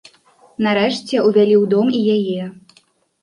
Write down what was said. Нарэшце ўвялі ў дом і яе.